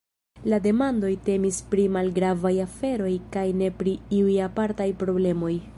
La demandoj temis pri malgravaj aferoj kaj ne pri iuj apartaj problemoj.